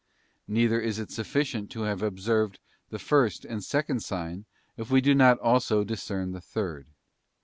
4 _ Neither is it sufficient to have observed the first and second sign if we do not also discern the third.